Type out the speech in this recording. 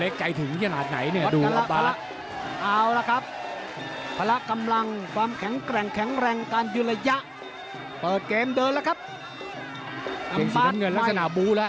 แข่งซ้ายสาบแข่งซ้ายคอยเตะ